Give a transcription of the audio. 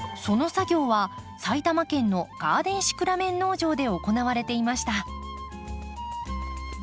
その作業は埼玉県のガーデンシクラメン農場で行われていました。